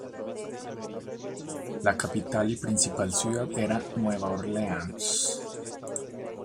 La capital y principal ciudad era Nueva Orleans.